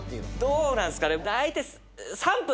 どうなんすかね。